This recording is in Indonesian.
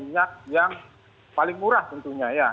minyak yang paling murah tentunya ya